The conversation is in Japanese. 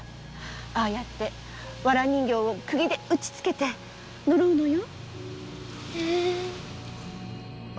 ああやってわら人形を釘で打ちつけて呪うのよ